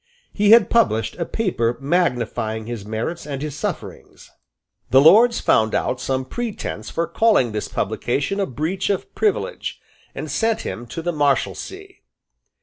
He had published a paper magnifying his merits and his sufferings. The Lords found out some pretence for calling this publication a breach of privilege, and sent him to the Marshalsea.